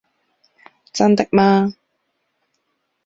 真的嗎